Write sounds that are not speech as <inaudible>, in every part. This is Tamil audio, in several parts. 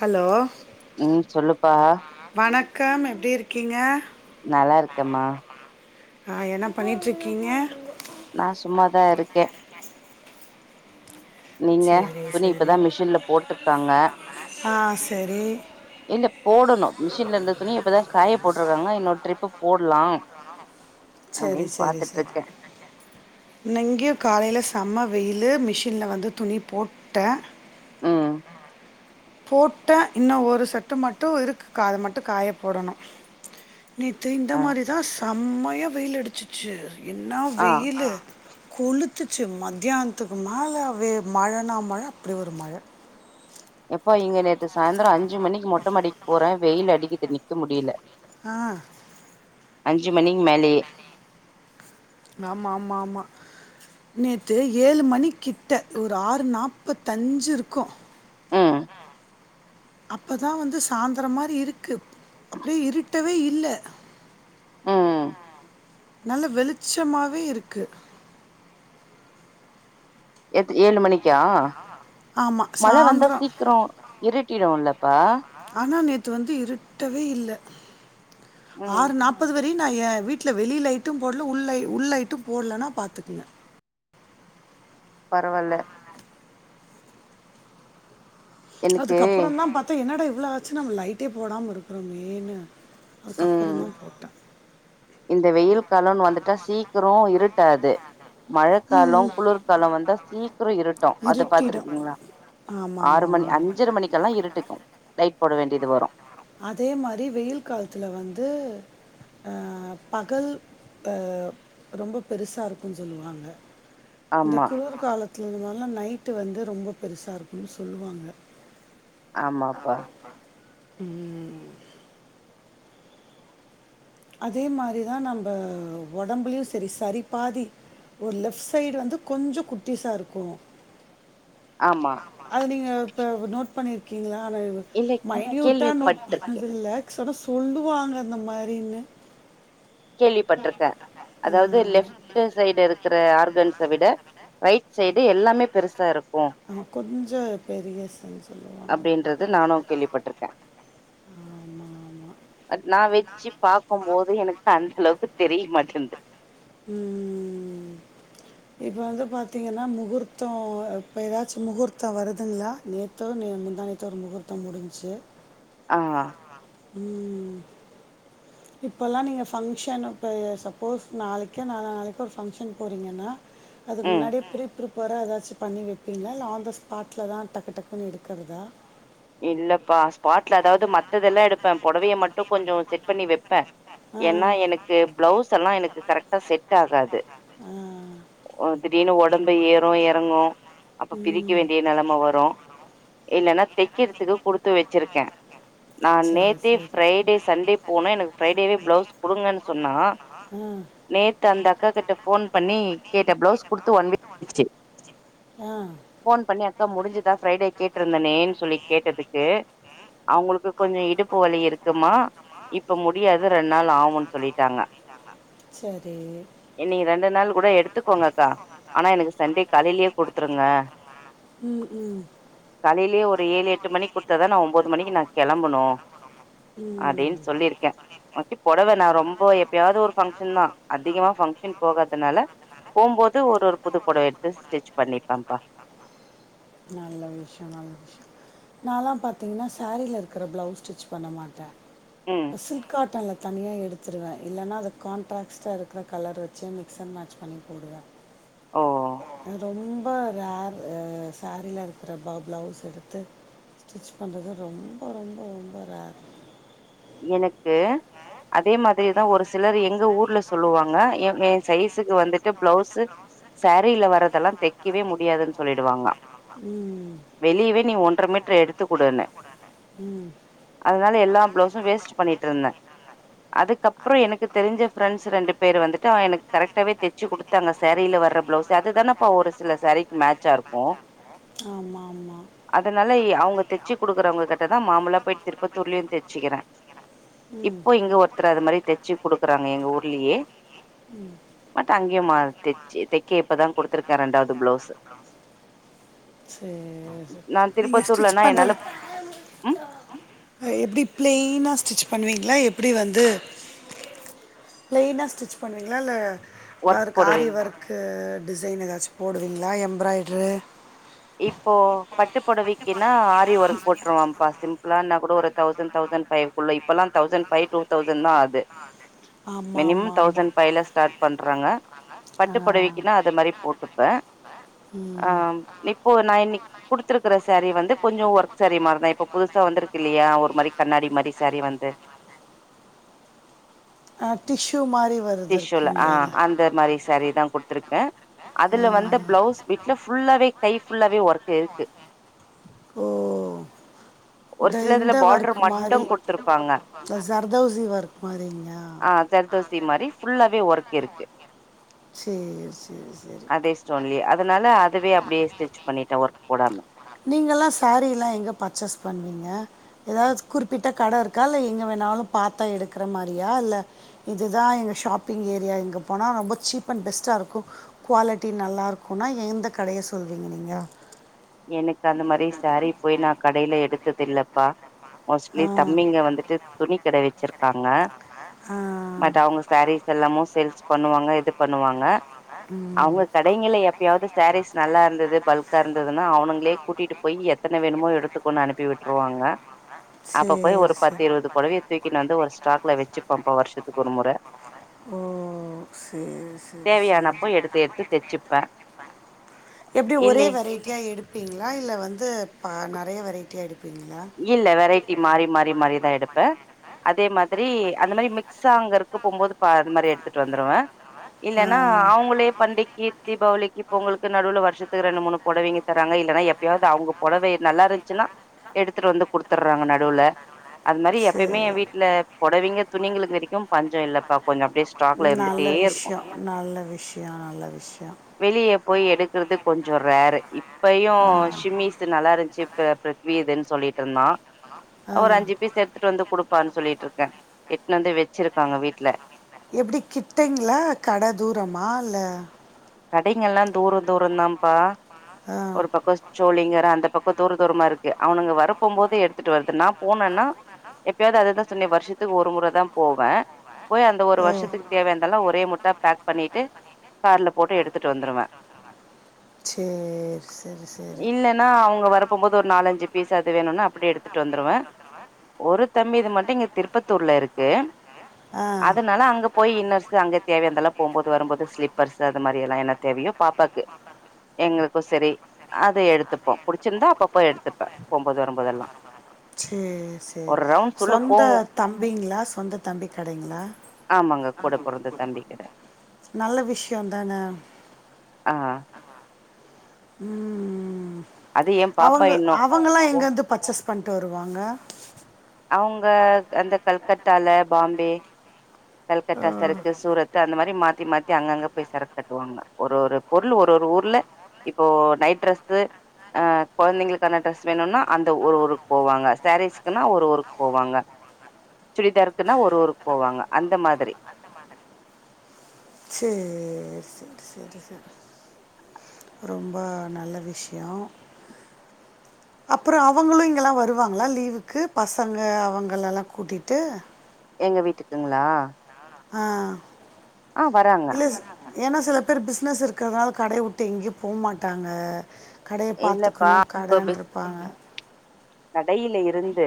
ஹலோ ம் சொல்லுப்பா கா ம எப்டி இருக்கீங்க நல்லா இருக்கேம்மா ஆ என்ன பண்ணிட்ருக்கீங்க நா சும்மாதா இருக்கே நீங்க சேரி துணி சரி இப்பதா மிஷின்ல போட்ருக்காங்க ஆ சரி இல்ல போடணூ மிஷின்ல இருந்த துணி இப்பதா காய போட்ருக்காங்க இன்னொரு ட்ரிப்பு போட்லா சேரி அப்டின்னு சேரி சேரி பாத்துட்ருக்கே இங்கயூ காலைல செம்ம வெயிலு மிஷின்ல வந்து துணி போட்டே ம் போட்டே இன்னு ஒரு செட்டு மட்டு இருக்குக்கா அத மட்டு காய போடணூ நேத்து இந்த ஆ மாரிதா செம்மையா வெயில் அடிச்சுச்சு என்னா ஆ வெயிலு கொளுத்துச்சு மதியான்த்துக்கு மேல மழனா மழ அப்டி ஒரு மழ எப்பா இங்க நேத்து சாய்ந்தரோ அஞ்சு மணிக்கு மொட்ட மாடிக்கு போறே வெயில் அடிக்கிது நிக்க முடியல ஆ அஞ்சு மணிக் மேலயே ஆமா ஆமா ஆமா நேத்து ஏழு மணிக்கிட்ட ஒரு ஆறு நாப்பத்தஞ்சு இருக்கு ம் அப்ப தா வந்து சாந்தரோ மாரி இருக்கு அப்டியே இருட்டவே இல்ல ம் நல்ல வெளிச்சமாவே இருக்கு எ ஏழு மணிக்கா ஆமா, மழ வந்தா சாயந்தரம். சீக்கிரோ இருட் ட்டிடுலப் பா ஆனா நேத்து வந்து இருட்டவே இல்ல ம் ஆறு நாப்பது வ நா எ வீட்ல வெளி லைட்டும் போடல உள் லைட் உள் லைட்டும் போடலன்னா பாத்க்கோங்க பரவால்ல எனக்கு அதுக்கப்புறோந்தா பாத்த என்னடா இவ்ள ஆச்சு நம்ம லைட்டே போடாம இருக்குறமேனு அதுக்கப்புறோ ம் தா போட்டே இந்த வெயில் காலோனு வந்துட்டா சீக்கிரோ இருட்டாது மழக்காலோ குளுர்காலோ வந்தா சீக்கிரோ இருட்டு அது பாத்துருக்கீங்ளா ஆமா ஆமா ஆ அஞ்சற மணிக்கெல்லா இருட்டிக்கு லைட் போட வேண்டியது வரு அதே மாரி வெயில் காலத்துல வந்து அ பகல் அ ரொம்ப பெருசா இருக்குன் சொல்லுவாங்க இந்த ஆமா குளுர்கால த்துல இந்த மார்லா நைட்டு வந்து ரொம்ப பெருச இருக்குன் சொல்லுவாங்க ஆமாப்பா ம் அதே மாரிதா நம்ப ஒடம்புலையு செரி சரி பாதி ஒரு லெஃப்ட் சைடு வந்து கொஞ்சோ குட்டிஸ்சா இருக்கு ஆமா அது நீங்க இப்ப நோட் பண்ணிருக்கீங்ளா நானு இல்ல மைன்யூட்டா நோட் கேள்விப்பட்டிருக்கே பண்ணதுல்ல சொன்னா சொல்லுவாங்க அந்த மாரின்னு கேள்விப்பட்ருக்க அதாவது லெப்ட்டு சைட் இருக்கற ஆர்கன்ஸ விட ரைட் சைடு எல்லாமே பெருசா இருக் கு ஆ, கொஞ்சம் பெரிய சன் சொல்லுவாங்க அப்டின்றது நானு கேள்விப்பட்ருக்க ஆமாம் ஆமாம் அ நா வெச்சி பாக்கும்போது எனக்கு அ அந்தளவுக்கு தெரிய மாட்டின்து இப்ப வந்து பாத்திங்கன்னா முகூர்த்தோ இப்ப எதாச்சு முகூர்த்தோ வருதுங்ளா நேத்தோ நே முந்தாநேத்தோ ஒரு முகூர்த்தம் முடின்ச்சி ஆ ம் இப்பல்லா நீங்க ஃபங்க்ஷனப்ப சப்போஸ் நாளைக்கு நாலா நாளைக்கோ ஒரு ஃபங்க்ஷன் போறீங்கனா அதுக் ம் முன்னாடியே ப்ரீ ப்ரிப் பறா எதாச்சு பண்ணி வெப்பீங்ளா இல்ல ஆன் த ஸ்பாட்ல தா டக்கு டக்குன்னு எடுக்கறதா இல்லப்பா ஸ்பாட்ல அதாவது மத்ததெல்லா எடுப்ப பொடவைய மட்டு கொஞ்சோ செட் பண்ணி வெப் ப ஆ என்னா எனக்கு ப்ளவுஸ் எல்லா எனக்கு கரக்ட்டா செட் ஆகாது ஆகாது ஆ ஒ திடீர்னு ஒடம்பு ஏறு எறங்கு அப்ப பிரிக்க ம் வேண்டிய நெலம வரு இல்லன்னா தெக் கிறதுக்கு குடுத்து வெச்சிருக்கே நா சரி நேத்தே பிரைடே சண்டே போன எனக்கு ப்ரைடே பிளவுஸ் குடுங்கன் சொன்னா நேத்து அந்த அக்கா கிட்ட போன் பண்ணி கேட்ட பிளவுஸ் குடுத்து ஒன் <inaudible> ச்சு ஆ ஆ போன் பண்ணி அக்கா முடிஞ்சிதா ஃப்ரைடே கேட்ருந்தனேன் சொல்லி டதுக்கு அவங்களுக்கு கொஞ்சோ இடுப்பு வலி இருக்கும்மா இப்ப முடியா செரி நீங்க ரெண்டு நாள் கூட எடுத்துக்கோங்கக்கா அனா எனக்கு சண்டே காலைலே குடுத்துருங்க ம் ம் காலைலயே ஒரு ஏழு எட் டு மணிக் குத்தாதான நா ஒம்போது மணிக்கு நா கெளம்பனு அப்டின் ம் சொல்லிருக்க மாத்தி பொடவ நா ரொம்ப எப்பயாவது ஒரு ஃபங்க்ஷன் தா அதிகமா ஃபங்க்ஷன் போகாதனால போம்போது ஒரு ஒரு புது பொடவ எடுத்து ஸ்டிச் பண்ணிப்பப்பா நல்ல விஷ்யோ நல்ல விஷ்யோ நாலா பாத்திங்ன்னா சேரீல இருக்கற ப்ளவுஸ் ஸ்டிச் பண்ண மாட்ட ம் அ சில்க் காட்டன்ல தனியா எடுத்துருவ இல்லன்னா அது கான்ட்ராக்ஸ்ட்டா இருக்கற கலர வச்சே மிக்ஸ் அன் மேட்ச் பண்ணி போடுவ ஆ ரொம்ப ரர் சரீல இருக்கற ப்ளவ் ப்ளவுஸ் எடுத்து ஸ்டிச் பண்றது ரொம்ப ரொம்ப ரொம்ப ரர் எனக்கு அதே மாதிரிதா ஒரு சிலர் எங்க ஊர்ல சொல்லுவாங்க எ எ சைஸுக்கு வந்துட் டு பிளவுஸ்ஸு சேரீல வர்றதெல்லா தெக்கவே முடியாதுன் சொல்லிடுவாங்க ம் வெளியவே நீ ஒன்றமீட்டர் எடுத்துக்குடுனு ம் அதனால எல்லா பிளவுஸ்ஸு வேஸ்ட் பண்ணிட்ருந்த அதுக்கப்றோ எனக்கு தெரிஞ்ச ஃப்ரெண்ட்ஸ் ரெண்டு பேர் வந்துட்டு அவ எனக் கரெக்டாவே தெச்சி குடுத்தாங்க சேரில வர்றப் பிளவுஸ்ஸு அதுதானப்ப ஒரு சில சேரீக்கு மேட்சாருக்கு ஆமாமா அதனால அவுங்க தெச்சி குடுக்குறவங்க கிட்டதா மாமுல்லா போயிட்டு திருப்பத்தூர்லயு தெச்சிக்கிற ம் தெச்சு குடுக்குறாங்க எங்க ஊர்லயே ம் பட் அங்கயும்மா தெச்சி தெக்க இப்பதா குடுத்தருக்கே ரெண்டாவது பிளவுஸ்சு சேரி நீங்க ஸ்டிச் திருப்பத்தூர்லனா என்னால பண்றது ம் அ எப்டி ப்ளைனாஸ் ஸ்டிச் பண்ணுவீங்ளா எப்படி வந்து ப்ளைனா ஸ்டிச் பண்ணுவீங்ளால்ல ஒர்க் வர்க் ஆரி போடுவேங் வர்க்கு டிசைன் ஏதாச்சு போடுவீங்ளா எம்ராய்ட்ரு இப்போ பட்டு பொடவிக்கின்னா ஆரி ஒர்க் போட்டுருவ பா சிம்பிளான்னா கூட ஒரு தௌசண்ட் தௌசண்ட் ஃபைவ்குள்ள இப்பல்லா தௌசண்ட் ஃபை டூ தௌசண்ட் தா ஆது ஆமாம் மினிமம் ஆமாம் ஆமாம் தௌசண்ட் ஃபைவ்ல ஸ்டார்ட் பண்றங்க பட்டு ஆ பொடவைக்குன்னா அது மாரி போட்டுப்ப ம் இப்ப நா இன்னிக்க குடுத்திருக்குற சேரி வந்து கொஞ்சோ ஒர்க் சேரி மாரி தா இப்ப புதுசா வந்திருக்கு இல்லையா ஒரு மாரி கண்ணாடிம் மாரி சேரி வந்து அ டிஷ்யு மாரி டிஷ்யுல அ அந்த மாரி சேரிதா குடுத்துருக்கே அதுல ஆ, வந்த பிளவுஸ் பிட்ல ஃபுல்லாவே கை ஃபுல்லாவே ஒர்க் இருக்கு ஓ ஒரு த சிலதுல இந்த பார்டர் ஒர்க் மட்டு மாரி குடுத்துருப்பாங்க சர்தௌசி ஒர்க் மாரியா அ சர்தௌசி மாரி ஃபுல்லாவே ஒர்க் இருக்கு சரி சரி சரி அதே ஸ்டோன்லயே அதனால அதுவே அப்டியே ஸ்டிச் பண்ணிட்ட ஒர்க் போடாம நீங்கல்லா சாரீல்லா எங்க பர்ச்சேஸ் பண்ணுவீங்க ஏதாது குறிப்பிட்டா கடருக்கா இல்ல எங்க வேண் ணாலு பாத்தா எடுக்குற மாரியா இல்ல இதுதா எங்க ஷாப்பிங் ஏரியா இங்க போனா ரொம்ப சீப்பன் பெஸ்ட்டாருக்கு குவாலிட்டி நல்லாருக்குனா எந்த கடைய சொல்லுவீங்க நீங்க எனக்கு அந்த மாரி சேரி‌ போய் நா கடைல எடுத்ததில்லப்பா மோஸ்ட்லி ஆ தம்பிங்க வந்துட்டு துணி கட வெச்சிருக்காங்க ஆ பட் அவுங்க சேரிஸ் எல்லாமு சேல்ஸ் பண்ணுவாங்க இது பண்ணுவாங்க ம் அவுங்க கடைங்கல்ல எப்பயாவது சேரிஸ் நல்லாருந்தது பல்காருந் தா அவுனங்களே கூட்டிட்டு போய் எத்தன வேணுமோ எடுத்துக்கோணு அனுப்பி விட்ருவாங்க அப்ப போய் சேரி ஒரு பத்து சேரி இருவது பொடவைய தூக்கின் வந்து ஒரு ஸ்டாக்ல வெச்சிம்பம்பா வருஷத்துக்கு ஒரு முற ஓ செரி செரி செரி தேவையானப்போ எடுத்து எடுத்து தெச்சுப்பே எப்டி ஒரே இல்லே வெரைட் டியா எடுப்பீங்ளா இல்ல வந்து பா நெறைய வெரைட்டியா எடுப்பீங்ளா இல்ல வெரைட்டி மாறி மாறி மாறிதா எடுப்ப அதே மாதிரி அந்த மாரி மிக்ஸ்சா அங்கருக்க போகுபோது ப அது மாரி எடுத்துட்டு வந்துருவ ஆ இல்லன்னா இல்ல அவுங்களே பண்டிக்கி தீபாவளிக்கி பொங்கலுக்கு நடுவுல வருஷத்துக்கு ரெண்டு மூணு பொடவைங்க தராங்க இல்லன்னா எப்பயாவுது அவுங்க பொடவைய நல்லாருந்ச்சின்னா எடுத்துட்டு வந்து குடுத்துற்றாங்க நடுவுலே அத் மாரி எப்பயுமே சரி வீட்ல பொடவிங்க துணிங்களுக்கு வெரிக்கு பஞ்சோ இல்லப்பா கொஞ்சோ அப்டியே ஸ்டாக்ல நல்ல இருந்துட்டே இருக்கு விஷ்யோ நல்ல விஷ்யோ நல்ல விஷ்யோ வெளிய போய் எடுக்குறது கொஞ்சோ ரேரு இப்பயு ஆ ஷிம்மீஸ்ஸு நல்லாந்துச்சி பிருத்விதுன் சொல்லிட்ருந்தா ஆ ஒரு அஞ்சி பீஸு எடுத்துட்டு வந்து குடுப்பான்னு சொல்லிட்ருக்க எட்த்துனு வந்து வெச்சிருக் எப்டி கிட்டங்ளா கட தூரமா இல்ல கடைங்கெல்லா தூர தூர தாப்பா ஆ ஒரு பக்கோ சோழிங்கர் அந்த பக்கோ தூர தூரமாருக்கு அவனுங்க வர போ போது எடுத்துட்டு வருதுன்னா போனேனா எப்யாவது அதுதா சொன்னே வருஷத்துக்கு ஒரு முறதா போவே போய் அந்த ஒரு ஓ வருஷத்துக்கு தேவையான்தெல்லா ஒரே முட்டா பேக் பண்ணிட்டு கார்ல போட்டு எடுத்துட்டு வந்துருவே சேர் செரி செரி போம்போது ஒரு நாலஞ்சி பீஸ் அது வேணுனா அப்டி எடுத்துட்டு வந்துருவே ஒரு தம்பிது மட்டு இங்க திருப்பத்தூர்ல இருக்கு ஆ அதனால அங்க போய் இன்னர்ஸு அங்க தேவையான்தெல்லா போம்போது வரும்போது ஸ்லிப்பர்ஸ் அது மாரி எல்லா என்ன தேவையோ பாப்பாக்கு எங்களுக்கு செரி அது எடுத்துப்போ புடிச்சிருந்தா அப்பப்போ எடுத்துப்பே போம்போது வரும்போதெல்லா செர் செரி ஒரு ரவுண்ட்ஸ் உள்ள சொந்த போவோ தம்பிங்ளா சொந்த தம்பி கடைங்ளா ஆமாங்க கூட பொறந்த தம்பி கிட்ட நல்ல விஷ்ய தான ஆ ம் அது எ பாப்பா அவுங்க இன்னு அவுங்கெல்லா எங்கந்து பர்சஸ் பண்ட்டு வருவாங்க அவங்க அந்த கல்கட்டால பாம்பே கல்கட்டா சரக்கு சூரத்து அந்த மாரி மா த்தி மாத்தி அங்கங்க போய் சரக் கட்டுவாங்க ஒரு ஒரு பொருள் ஒரு ஒரு ஊர்ல இப்போ நைட் ட்ரெஸ்சு ஆ கொழந்தைங்களுக்கான ட்ரெஸ் வேணுனா அந்த ஒரு ஊருக் போவாங்க சாரீஸ்க்னா ஒரு ஊருக் போவாங்க சுடிதாருக்குன்னா ஒரு ஊருக் போவாங்க அந்த மாதிரி சேர் செரி செரி செரி ரொம்ப நல்ல விஷ்யோ அப்றோ அவுங்களு இங்கெல்லா வருவாங்ளா லீவுக்கு பசங்க அவுங்கலெல்லா கூட்டிட்டு எங்க வீட்டுக்குங்ளா ஆ ஆ வறாங்க ஏனா சில பேர் பிஸ்னஸ் இருக்கறத்னால கடை வுட்டு எங்கியு போ மாட்டாங்க கடைய இல்லப்பா பாத்துக்கனு கடன்ருப்பாங்க கடையில இருந்து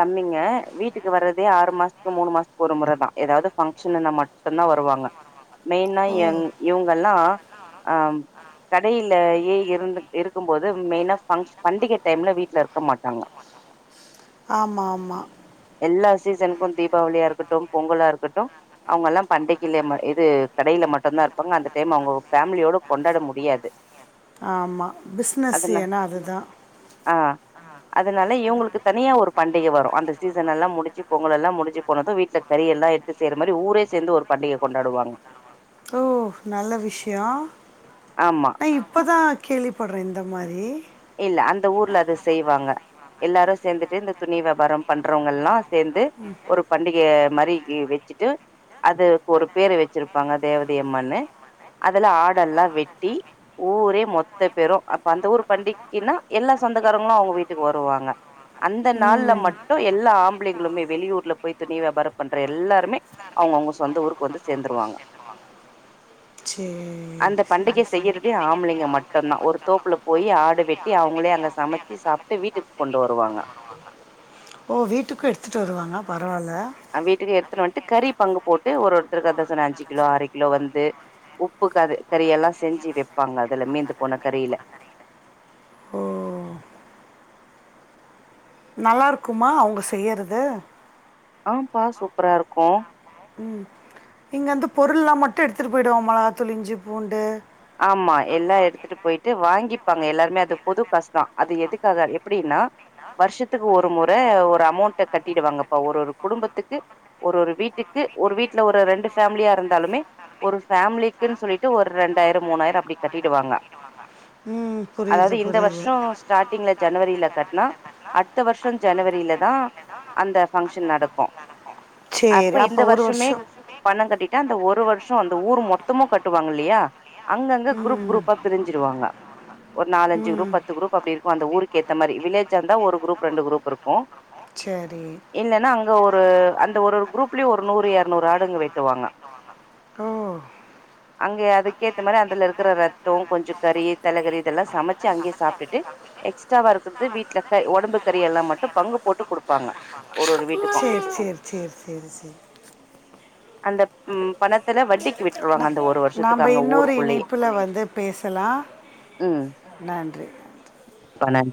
தம்பிங்க வீட்டுக்கு வரதே ஆறு மாஸ்த்துக் மூணு மாஸ்த்துக் ஒரு முற தா எதாவது ஃபங்க்ஷனுனா மட்டு னா வருவாங்க மெய்னா ஓ எங் இவுங்கெல்லா ஆ ம் கடையிலயே இருந்துட் இருக்கு போது மெயினா ஃபங்ஷ் பண்டிக டைம்ல வீட்ல இருக்க மாட்டாங்க ஆமா ஆமா எல்லா சீசனுக்கு தீபாவளியா இருக்கட்டு பொங்கலா இருக்கட்டு அவுங்க எல்லா பண்டிகையில ம இது கடையில மட்டுதா இருப்பாங்க அந்த டைம் அவுங்க ஃபேமிலியோட கொண்டாட முடியாது ஆமா பிஸ்னஸ் அதுனா ஏனா அதுதா ஆ அதனால இவுங்களுக்கு தனியா ஒரு பண்டிக வரு அந்த சீசன் எல்லா முடிச்சி பொங்கலெல்லா முடிஞ்சி போனது வீட்ல பெரிய எல்லா எட்த்து செய்ற மாரி ஊரே சேந்து ஒரு பண்டிக கொண்டாடுவாங் ஓ ஓ நல்ல விஷ்ய ஆமா நா இப்பதா கேள்வி பட்றே இந்த மாரி இல்ல அந்த ஊர்ல அது செய்வாங்க எல்லாரு சேந்துட்டு இந்த துணி வியாபார பண்றவங்க எல்லா சேந்து ஒரு பண்டிக மாரி வெச் சிட்டு அதுக்கு ஒரு பேரு வச்சிருப்பாங்க தேவதை அம்மன்னு அதுல ஆடெல்லா வெட்டி ஊரே மொத்த பேரு அப்ப அந்த ஊர் பண்டி ஏன்னா எல்லா சொந்தக்காரங்களு அவுங்க வீட்டுக்கு வருவாங்க அந்த நாள்ல ம் மட்டு எல்லா ஆம்பளைங்களுமே வெளியூர்ல போய் துணி வியாபாரொ பண்ற எல்லாருமே அவ்ங்க அவ்ங்க சொந்த ஊருக்கு வந்து சேந்துருவாங்க அந்த சேரி பண்டிகை செய்யறதே ஆம்பளைங்க சேரி சேரி டி அவுங்களே அங்க சமைச்சி சாப்ட்டு வீட்டுக் கொண்டு வருவாங்க ஓ வீட்டுக்கு எடுத்துட்டு வருவாங்களா அ வீட்டுக்கு எடுத்துனு வந்ட்டு கறி பங்கு போட்டு ஒரு ஒருத்தருக்கு அந்தசன அஞ்சு கிலோ ஆறு கிலோ வந்து உப்பு கறி கறியெல்லா செஞ்சி வெப்பாங்க அதுல மீந்து போன கறில ஓ நல்லாருக்குமா அவுங்க செய்யறது ஆம்பா சூப்பரா இருக்கூ இங்கருந்து பொருள்லா மட்டு எடுத்துட்டு போயி்டுவோ மொளகாதூள் இஞ்சி பூண்டு ஆமா எல்லா எடுத்துட்டு போயிட்டு வாங்கிப்பாங்க எல்லாருமே அது பொது காஸ்தா அது எதுக்காக எப்டின்னா வருஷத்துக்கு ஒரு முற ஒரு அமௌண்ட்ட கட்டிடுவாங்கப்பா ஒரு ஒரு குடும்பத்துக்கு ஒரு ஒரு வீட்டுக்கு க்கு ஒரு வீட்ல ஒரு ரெண்டு ஃபேமிலியா இருந்தாலுமே ஒரு ஃபேமிலிக்கின் சொல்லிட்டு ஒரு ரெண்டு டாயிரம் மூணாயிரம் அப்டி கட்டிடுவாங்க ம். புரியுது, அதாவ்து அது இந்த புரியுது. வருஷொ ஸ்டார்ட்டிங்ல ஜனவரில கட்னா அடுத்த வருஷோ ஜனவரில தா அந்த ஃபங்க்ஷன் நடக்கூ சரி. அப்ப இந்த அடுத்த வருஷமே வருஷம். பண கட் டா அந்த ஒரு வருஷோ அந்த ஊர் மொத்தமு கட்டுவாங்க இல்லயா அங்கங்க அவங்க குரூப் ம். குரூப்பா பிரிஞ்ருவாங்க ஒரு கட்டுற ம். நாலஞ்சு குரூப் பத்து குரூப் அப்டி இருக்கு அந்த ஊருக்கு ஏத்த மாரி வில்லேஜா இருந்தா ஒரு குரூப் ரெண்டு குரூப் இருக்கூ ச்சரி அ ஒரு அந்த ஒரு குரூப்லயு ஒரு நூறு எரநூறு ஆடுங்க வெட்டுவாங்க ஓ! அங்கே அதுக் கேத்த மாரி அதுல இருக்கிற ரத்தோ கொஞ்சோ கறி தலகறி இதெல்லா சமச்சி அங்கேயே சாப்டுட்டு எக்ஸ்ட்ரா வா வரர்து வீட்ல க ஒடம்பு கறி எல்லாம் மட்டு பங்கு போட்டு கொடுப்பாங்க ஒரு ஒரு வீட்டுக்கூ சேரி சேரி சேரி சேரி சேரி அந்தப் ம் பணத்துல வட்டிக்கு விட்டுருவாங்க அந்த ஒரு வருஷத்துக்கு நம்ம அங்க இன்னொரு ஊருக்குள்ளயே இணைப்புல வந்து பேசலா நன்றி பணம்